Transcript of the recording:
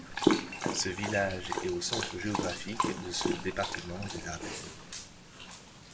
Ce village est au centre géographique de ce département des Ardennes.